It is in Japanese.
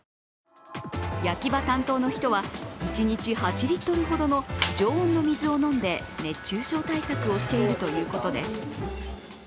焼き場担当の人は、一日８リットルほどの常温の水を飲んで熱中症対策をしているということです。